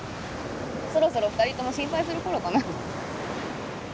そろそろ２人とも心配する頃かな